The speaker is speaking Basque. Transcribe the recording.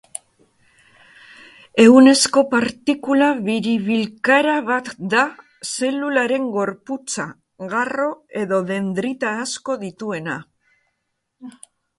Ehunezko partikula biribilkara bat da zelularen gorputza, garro edo dendrita asko dituena.